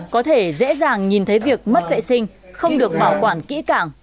có thể dễ dàng nhìn thấy việc mất vệ sinh không được bảo quản kỹ cảng